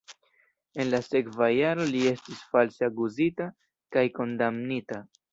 En la sekva jaro li estis false akuzita kaj kondamnita.